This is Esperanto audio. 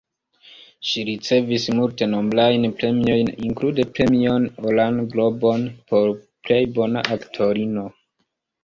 Ŝi ricevis multenombrajn premiojn, inklude Premion Oran Globon por plej bona aktorino.